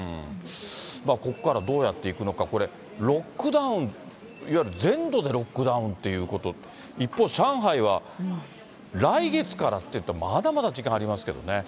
ここからどうやっていくのか、これ、ロックダウン、いわゆる全土でロックダウンということ、一方、上海は来月からって、まだまだ時間ありますけどね。